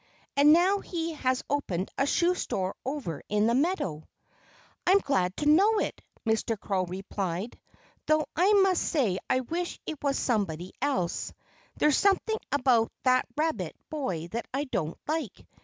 And now he has opened a shoe store over in the meadow." "I'm glad to know it," Mr. Crow replied, "though I must say I wish it was somebody else. There's something about that Rabbit boy that I don't like.